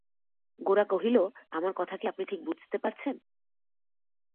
গোরা কহিল, আমার কথা কি আপনি ঠিক বুঝতে পারছেন?